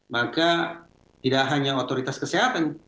maka tidak hanya otoritas kesehatan